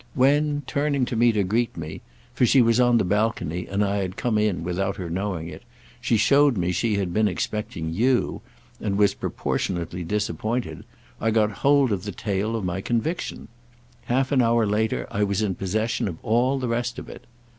When, turning to me to greet me—for she was on the balcony and I had come in without her knowing it—she showed me she had been expecting you and was proportionately disappointed, I got hold of the tail of my conviction. Half an hour later I was in possession of all the rest of it.